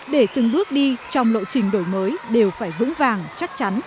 để từng bước đi trong lộ trình đổi mới đều phải vững vàng chắc chắn